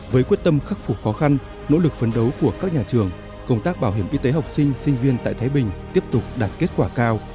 với quyết tâm khắc phục khó khăn nỗ lực phấn đấu của các nhà trường công tác bảo hiểm y tế học sinh sinh viên tại thái bình tiếp tục đạt kết quả cao